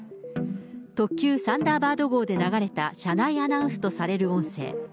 特急サンダーバード号で流れた車内アナウンスとされる音声。